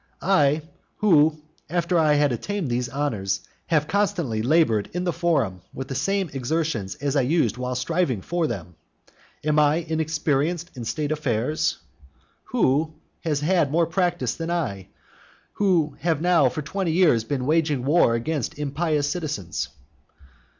I, who, after I had obtained those honours, have constantly laboured in the forum with the same exertions as I used while striving for them. Am I inexperienced in state affairs? Who has had more practice than I, who have now for twenty years been waging war against impious citizens?